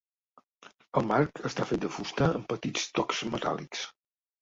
El marc està fet de fusta amb petits tocs metàl·lics.